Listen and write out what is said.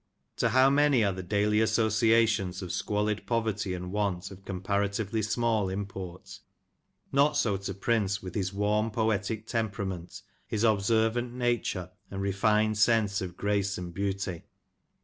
To how many are the daily associations of squalid poverty and want of comparatively small import. Not so to Prince, with his warm poetic temperament, his observant nature, and refined sense of grace and beauty.